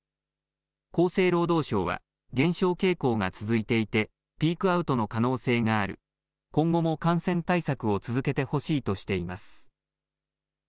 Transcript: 厚生労働省は減少傾向が続いていてピークアウトの可能性がある今後も感染対策を続けてほしいとしています。